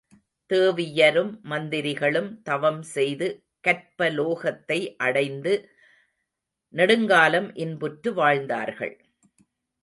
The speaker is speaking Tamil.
தேவியரும் மந்திரிகளும் தவம் செய்து கற்பலோகத்தை அடைந்து நெடுங்காலம் இன்புற்று வாழ்ந்தார்கள்.